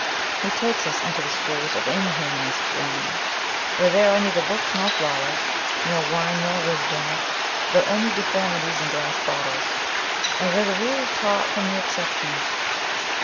He takes us into the schools of inhumanist learning, where there are neither books nor flowers, nor wine nor wisdom, but only deformities in glass bottles, and where the rule is taught from the exceptions.